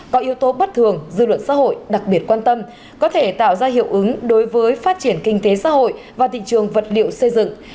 có yếu tố bất thường dư luận xã hội đặc biệt quan tâm có thể tạo ra hiệu ứng đối với phát triển kinh tế xã hội và thị trường vật liệu xây dựng